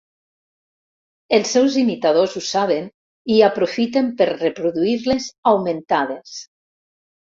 Els seus imitadors ho saben i aprofiten per reproduir-les augmentades.